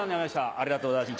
ありがとうございます。